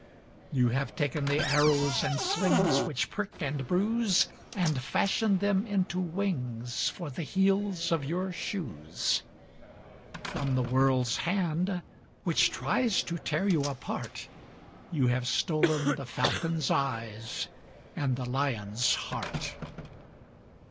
You have taken the arrows and slings Which prick and bruise And fashioned them into wings For the heels of your shoes. From the world's hand which tries To tear you apart You have stolen the falcon's eyes And the lion's heart.